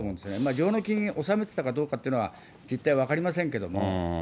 上納金納めてたかどうかっていうのは実態分かりませんけれども。